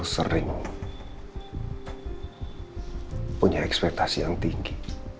sering punya ekspektasi yang tinggi